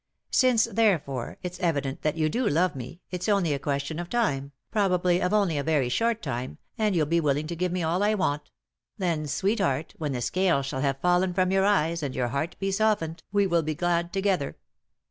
"Since, therefore, it's evident that you do love me, it's only a question of time, probably of only a very short time, and you'll be willing to give me all I want ; then, sweetheart, when the scales shall have fallen from your eyes and your heart be softened, we will be glad together.